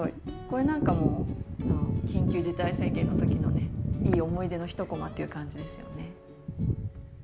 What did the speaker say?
これなんかも多分緊急事態宣言の時のねいい思い出の一こまっていう感じですよね。